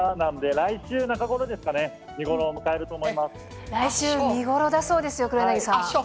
来週、見頃だそうですよ、ああ、そう。